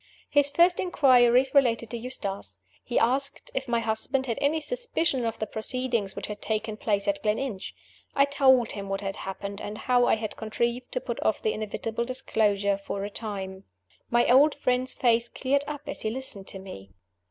His first inquiries related to Eustace. He asked if my husband had any suspicion of the proceedings which had taken place at Gleninch. I told him what had happened, and how I had contrived to put off the inevitable disclosure for a time. My old friend's face cleared up as he listened to me.